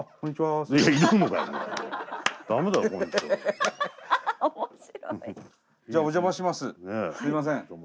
すいません。